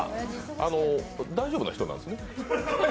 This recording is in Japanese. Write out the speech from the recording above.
あの大丈夫な人なんですよね？